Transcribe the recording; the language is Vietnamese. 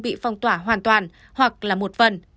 bị phong tỏa hoàn toàn hoặc là một phần